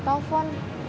tau gak sebelnya apa